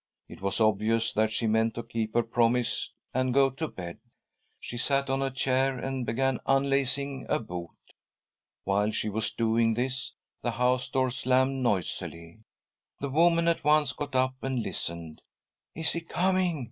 It was obvious that she meant to keep her promise and go to bed. She sat on a chair and began unlacing a boot. While she was doing this, the house door slammed noisily. The woman at once got up and listened. " Is he coming